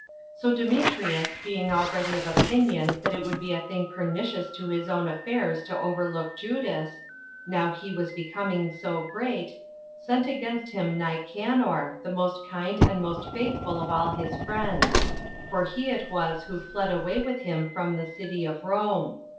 4. So Demetrius, being already of opinion that it would be a thing pernicious to his own affairs to overlook Judas, now he was becoming so great, sent against him Nicanor, the most kind and most faithful of all his friends; for he it was who fled away with him from the city of Rome.